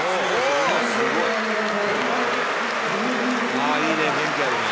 「」ああいいね元気あるね。